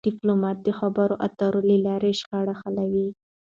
ډيپلومات د خبرو اترو له لارې شخړې حلوي..